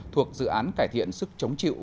thuộc dự án cải thiện sức chống chịu